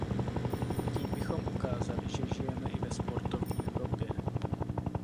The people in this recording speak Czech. Tím bychom ukázali, že žijeme i ve sportovní Evropě.